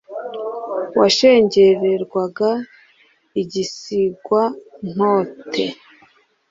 washengererwaga i gisigwa-ntote,